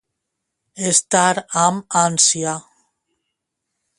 Estar amb ànsia.